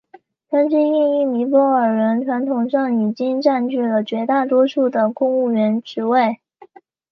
山区的印裔尼泊尔人传统上已经占据了绝大多数的公务员职位。